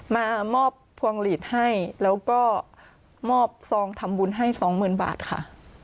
มามอบพวงหลีดให้แล้วก็มอบซองทำบุญให้สองหมื่นบาทค่ะ